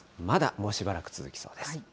まだもうしばらく続きそうです。